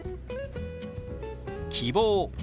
「希望」。